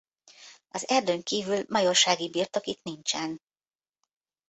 Az erdőn kivül majorsági birtok itt nincsen.